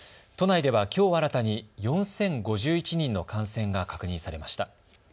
都内ではきょう新たに４０５１人の感染が確認されました。